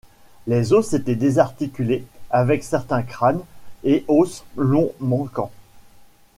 Les os étaient désarticulés, avec certains crânes et os longs manquants.